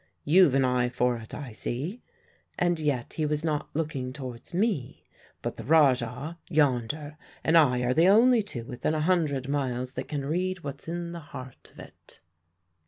You've an eye for it, I see," and yet he was not looking towards me, "but the Rajah, yonder, and I are the only two within a hundred miles that can read what's in the heart of it."